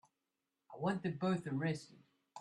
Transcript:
I want them both arrested.